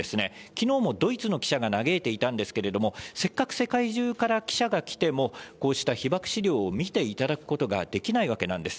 きのうもドイツの記者が嘆いていたんですけれども、せっかく世界中から記者が来ても、こうした被爆資料を見ていただくことができないわけなんです。